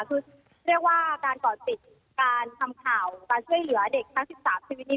คือเรียกว่าการก่อติดการทำข่าวการช่วยเหลือเด็กทั้ง๑๓ชีวิตนี้